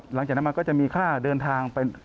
หลังจากนั้นมันก็จะมีค่าเดินทางไป